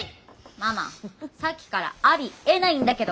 ママさっきから「『アリエ』ない」んだけど！